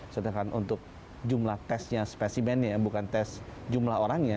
sedangkan untuk jumlah testnya spesimennya bukan test jumlah orangnya